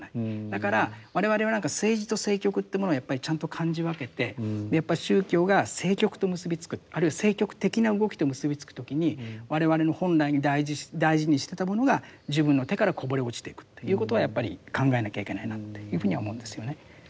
だから我々は何か政治と政局というものをやっぱりちゃんと感じ分けてやっぱり宗教が政局と結び付くあるいは政局的な動きと結び付く時に我々の本来大事にしてたものが自分の手からこぼれ落ちていくっていうことはやっぱり考えなきゃいけないなというふうには思うんですよね。